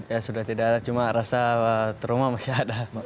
ya sudah tidak ada cuma rasa trauma masih ada